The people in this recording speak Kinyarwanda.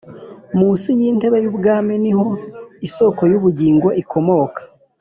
Munsi y’intebe y’ubwami niho isoko y’ubugingo ikomoka